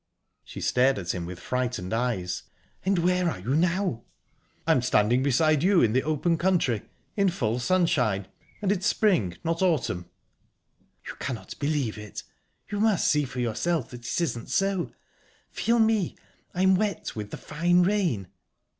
She stared at him with frightened eyes. "And where are you now?" "I am standing beside you in the open country, in full sunshine and it is spring, not autumn." "You cannot believe it. You must see for yourself that it isn't so. Feel me I'm wet with the fine rain."